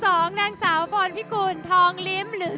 ตอนนี้หนุ่มรองคนที่สุดตั้งแต่เจ้าหรือ